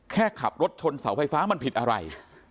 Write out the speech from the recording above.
แค่ขับรถชนเสาไฟฟ้ามันผิดอะไร